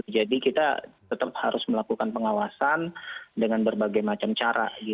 jadi kita tetap harus melakukan pengawasan dengan berbagai macam cara